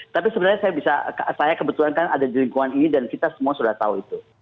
tapi sebenarnya saya bisa saya kebetulan kan ada di lingkungan ini dan kita semua sudah tahu itu